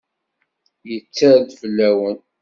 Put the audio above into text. Yetter-d fell-awen.